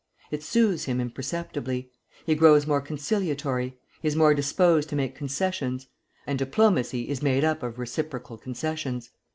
It soothes him imperceptibly. He grows more conciliatory. He is more disposed to make concessions. And diplomacy is made up of reciprocal concessions.